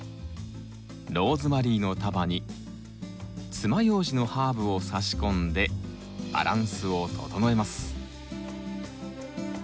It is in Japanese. ローズマリーの束につまようじのハーブをさし込んでバランスを整えます。